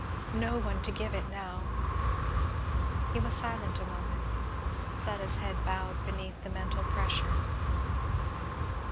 No one to give it now. He was silent a moment. Fleda's head bowed beneath the mental pressure.